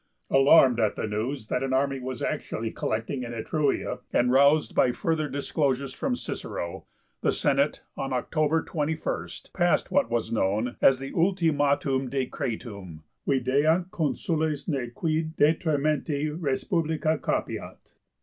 Alarmed at the news that an army was actually collecting in Etruria, and roused by further disclosures from Cicero, the Senate, on October 21, passed what was known as the 'Ultimum Decretum;' '_videant consules ne quid detrimenti respublica capiat.